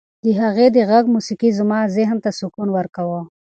د هغې د غږ موسیقي زما ذهن ته سکون ورکاوه.